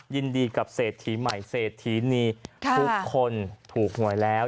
ยินดีกับเศรษฐีใหม่เศรษฐีนีทุกคนถูกหวยแล้ว